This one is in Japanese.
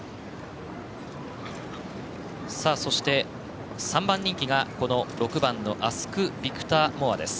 そして、３番人気が６番のアスクビクターモアです。